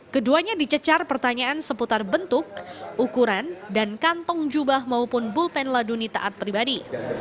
keduanya dicecar pertanyaan seputar bentuk ukuran dan kantong jubah maupun bulpen laduni taat pribadi